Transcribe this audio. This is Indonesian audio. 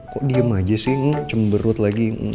kok diem aja sih cemberut lagi